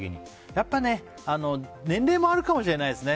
やっぱりね年齢もあるかもしれないですね。